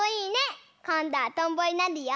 こんどはとんぼになるよ。